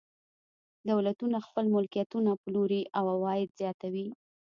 دولتونه خپل ملکیتونه پلوري او عواید زیاتوي.